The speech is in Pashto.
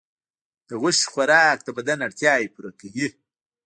د غوښې خوراک د بدن اړتیاوې پوره کوي.